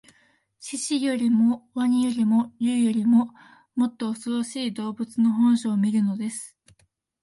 獅子よりも鰐よりも竜よりも、もっとおそろしい動物の本性を見るのです